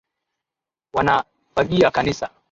Wanafagia kanisa.